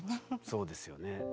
そうですよね。